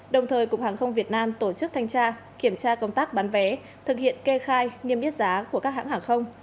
đồng thời cục hàng không việt nam tổ chức thanh tra kiểm tra công tác bán vé thực hiện kê khai niêm yết giá của các hãng hàng không